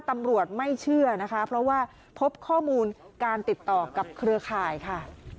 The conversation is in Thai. ตำรวจไม่เชื่อนะคะเพราะว่าพบข้อมูลการติดต่อกับเครือข่ายค่ะ